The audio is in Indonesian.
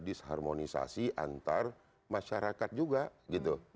disharmonisasi antar masyarakat juga gitu